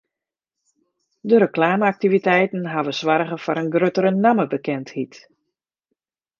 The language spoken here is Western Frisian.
De reklame-aktiviteiten hawwe soarge foar in gruttere nammebekendheid.